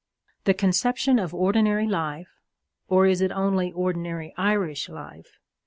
The conception of ordinary life or is it only ordinary Irish life?